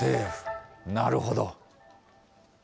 なるほど。